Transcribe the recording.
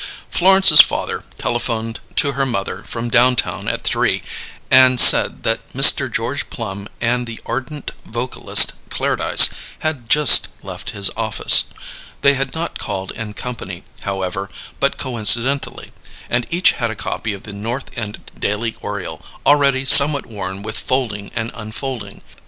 Florence's father telephoned to her mother from downtown at three, and said that Mr. George Plum and the ardent vocalist, Clairdyce, had just left his office. They had not called in company, however, but coincidentally; and each had a copy of The North End Daily Oriole, already somewhat worn with folding and unfolding.